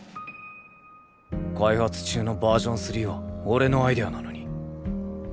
開発中のバージョンスリーは俺のアイデアなのに。